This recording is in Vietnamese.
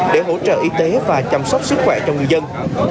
để hỗ trợ y tế và chăm sóc sức khỏe cho người dân